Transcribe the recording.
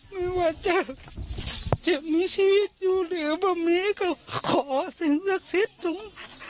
ไม่ว่าจะเจ็บมีชีวิตอยู่หรือบางนี้ก็ขอสิ่งสักชิดตรง